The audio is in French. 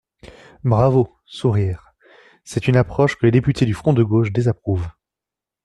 Bravo ! (Sourires.) C’est une approche que les députés du Front de gauche désapprouvent.